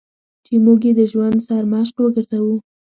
چې موږ یې د ژوند سرمشق وګرځوو.